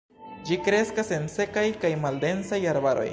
Ĝi kreskas en sekaj kaj maldensaj arbaroj.